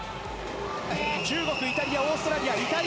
中国、イタリアオーストラリア。